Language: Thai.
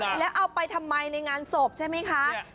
เค้าดูแล้วเอาไปทำไมในงานสบใช่ไหมคะเนี้ย